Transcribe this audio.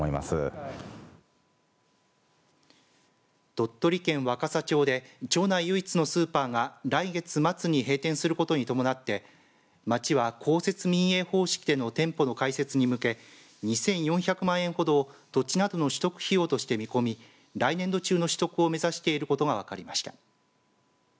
鳥取県若桜町で町内唯一のスーパーが来月末に閉店することに伴って町は公設民営方式での店舗の開設に向け２４００万円ほどを土地などの取得費用として見込み来年度中の取得を目指していることが分かりました。